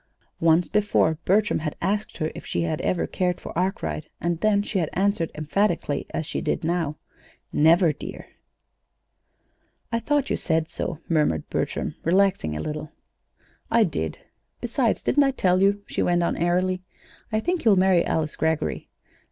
Once before Bertram had asked her if she had ever cared for Arkwright, and then she had answered emphatically, as she did now: "Never, dear." "I thought you said so," murmured Bertram, relaxing a little. "I did; besides, didn't I tell you?" she went on airily, "I think he'll marry Alice Greggory.